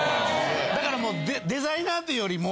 だからもうデザイナーというよりも。